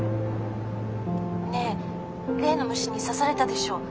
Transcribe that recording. ねえ例の虫に刺されたでしょ？